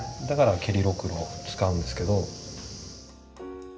だから蹴りろくろを使うんですけど。